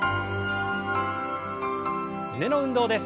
胸の運動です。